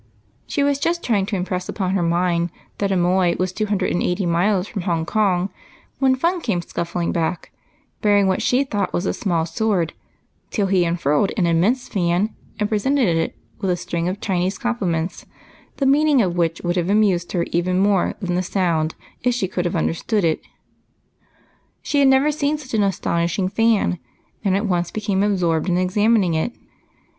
She was just trying to impress upon her mind that Amoy was two hundred and eighty miles from Hong Kong, when Fun came scuffling back, bearing what she thought was a small sword, till he unfurled an immense fan, and presented it with a string of Chi nese compliments, the meaning of which would have amused her even more than the sound if she could have understood it. She had never seen such an astonishing fan, and at once became absorbed in examining it.